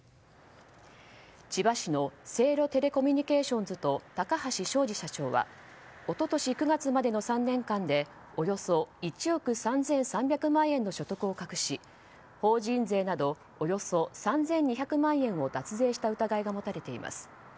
千葉市のセイロテレコミュニケーションズと高橋正治社長は一昨年９月までの３年間でおよそ１億３３００万円の所得を隠し法人税などおよそ３２００万円を脱税した疑いが持たれています。